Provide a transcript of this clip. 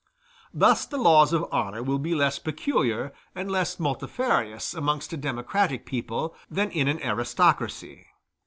Thus the laws of honor will be less peculiar and less multifarious amongst a democratic people than in an aristocracy.